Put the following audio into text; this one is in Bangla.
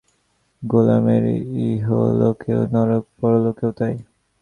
গোলামের ইহলোকেও নরক, পরলোকেও তাই।